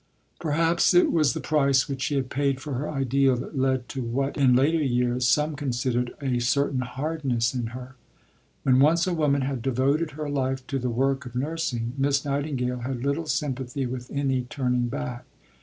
Perhaps it was the price which she had paid for her ideal that led to what, in later years, some considered a certain hardness in her. When once a woman had devoted her life to the work of nursing, Miss Nightingale had little sympathy with any turning back.